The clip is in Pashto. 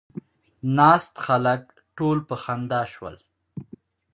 ناست خلک ټول په خندا شول.